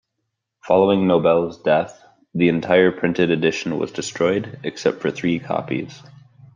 Following Nobel's death the entire printed edition was destroyed, except for three copies.